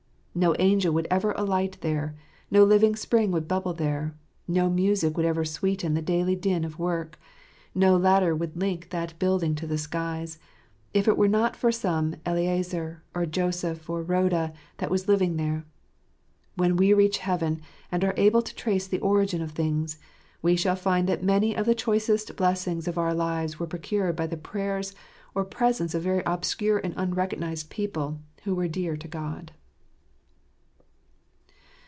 No angel would ever alight there; no living spring would bubble there ; no music would ever sweeten the daily din of work ; no ladder would link that building to the skies — if it were not for some Eliezer, or Joseph, or Rhoda, that was living there. When we reach heaven, and are able to trace the origin of things, we shall find that many of the choicest blessings of our lives were procured by the prayers or presence of very obscure and unrecognised people who were dear to God.